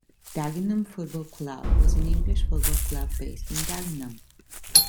Dagenham Football Club was an English football club based in Dagenham.